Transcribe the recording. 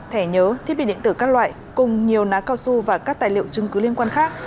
thẻ nhớ thiết bị điện tử các loại cùng nhiều ná cao su và các tài liệu chứng cứ liên quan khác